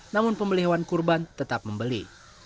namun pembeli hewan kurban tetap membeli